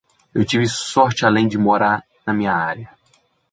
Eu tive sorte além de morar na minha área.